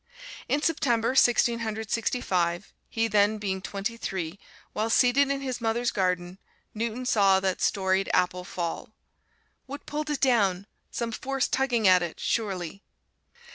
In September, Sixteen Hundred Sixty five, he then being twenty three, while seated in his mother's garden, Newton saw that storied apple fall. What pulled it down? Some force tugging at it, surely!